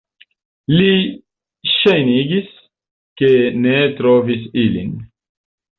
Li ŝajnigis, ke ne trovis ilin.